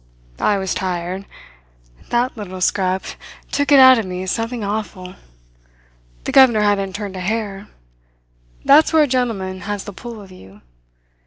"I was tired. That little scrap took it out of me something awful. The governor hadn't turned a hair. That's where a gentleman has the pull of you.